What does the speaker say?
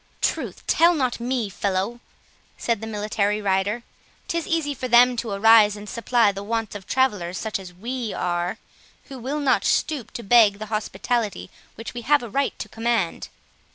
"Tush, tell not me, fellow," said the military rider; "'tis easy for them to arise and supply the wants of travellers such as we are, who will not stoop to beg the hospitality which we have a right to command."